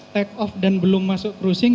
take off dan belum masuk crossing